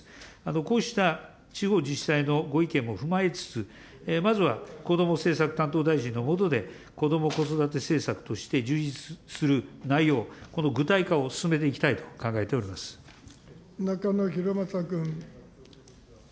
こうした地方自治体のご意見も踏まえつつ、まずはこども政策担当大臣の下で、こども・子育て政策として充実する内容、この具体化を進めていき中野洋昌君。